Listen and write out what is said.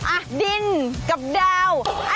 อ่ะดินกับดาวไหนสวยกว่ากัน